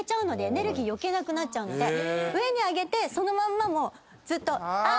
エネルギー余計なくなっちゃうので上に上げてそのまんまずーっとア！